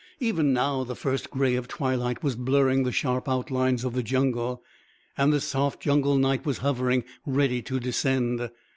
Even now, the first gray of twilight was blurring the sharp outlines of the jungle, and the soft jungle night was hovering, ready to descend.